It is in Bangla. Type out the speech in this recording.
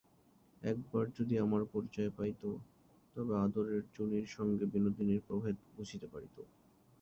একবার যদি আমার পরিচয় পাইত, তবে আদরের চুনির সঙ্গে বিনোদিনীর প্রভেদ বুঝিতে পারিত।